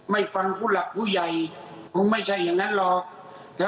ไม่ฟังผู้หลักผู้ใหญ่มึงไม่ใช่อย่างนั้นหรอก